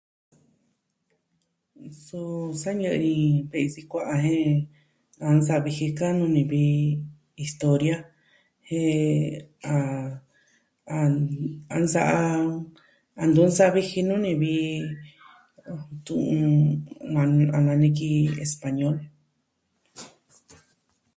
Suu sa ñɨɨ i ve'i sikua'a e a nsa'a viji ka'nu ni vi historia, jen a... a nsa'a a tu'un jini ni vi, tu'un a maa ni ki español.